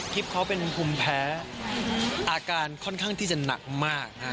เขาเป็นภูมิแพ้อาการค่อนข้างที่จะหนักมาก